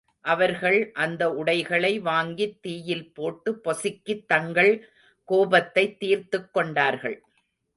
அவர்கள் அந்த உடைகளை வாங்கித் தீயில் போட்டு பொசுக்கித் தங்கள் கோபத்தைத் தீர்த்துக் கொண்டார்கள்.